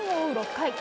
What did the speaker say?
６回。